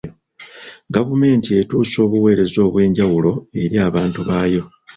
Gavumenti etuusa obuweereza obw'enjawulo eri abantu baayo.